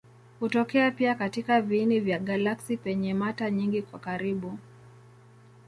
Hutokea pia katika viini vya galaksi penye mata nyingi kwa karibu.